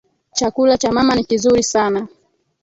Chakula cha mama ni kizuri sana